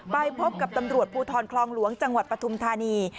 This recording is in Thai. ไปพบกับตำรวจภูทรคลองหลวงจังหวัดปฐุมธานี